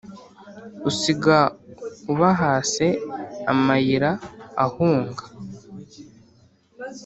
usiga ubahase amayira ahunga